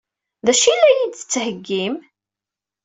D acu i la yi-d-tettheggim?